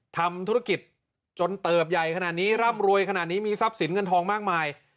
ทำธุรกิจจนเติบใหญ่ขนาดนี้ร่ำรวยขนาดนี้มีทรัพย์สินเงินทองมากมาย